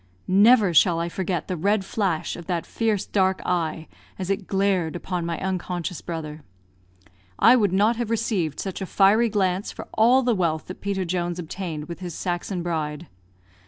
Never shall I forget the red flash of that fierce dark eye as it glared upon my unconscious brother. I would not have received such a fiery glance for all the wealth that Peter Jones obtained with his Saxon bride.